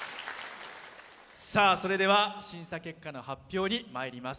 それでは審査結果の発表にまいります。